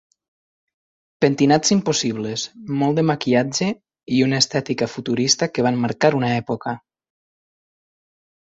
Pentinats impossibles, molt de maquillatge i una estètica futurista que van marcar una època.